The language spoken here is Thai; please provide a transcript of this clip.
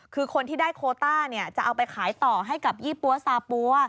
คือคนที่ได้โคต้าเนี่ยจะเอาไปขายต่อให้กับยี่ปั๊วซาปั๊ว